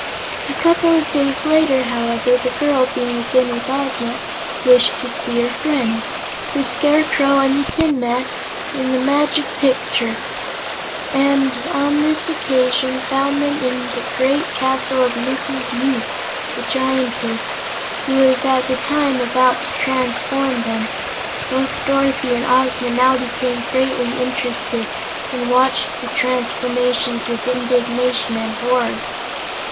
A couple of days later, however, the girl, being again with Ozma, wished to see her friends, the Scarecrow and the Tin Woodman in the Magic Picture, and on this occasion found them in the great castle of Mrs. Yoop, the Giantess, who was at the time about to transform them. Both Dorothy and Ozma now became greatly interested and watched the transformations with indignation and horror.